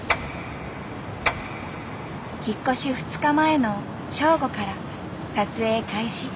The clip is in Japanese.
引っ越し２日前の正午から撮影開始。